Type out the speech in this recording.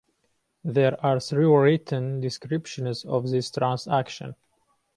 There are three written descriptions of this transaction.